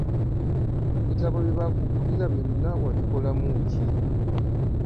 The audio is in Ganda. Ebitabo bye baakugulira byonna wabikolamu ki?